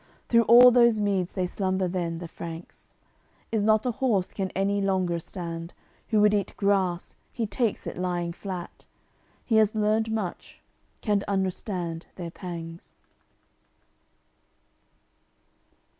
Through all those meads they slumber then, the Franks; Is not a horse can any longer stand, Who would eat grass, he takes it lying flat. He has learned much, can understand their pangs.